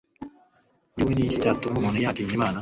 kuri we ni iki cyatuma umuntu yatinya Imana?